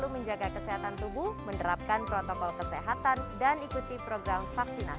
menjaga kesehatan tubuh menerapkan protokol kesehatan dan ikuti program vaksinasi